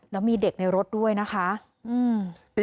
แล้วมีเด็กในรถด้วยนะคะอืม